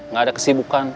gak ada kesibukan